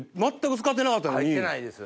入ってないです。